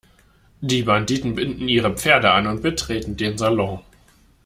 Die Banditen binden ihre Pferde an und betreten den Salon.